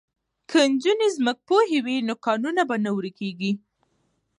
که نجونې ځمکپوهې وي نو کانونه به نه ورکیږي.